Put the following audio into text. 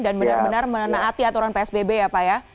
dan benar benar menaati aturan psbb ya pak ya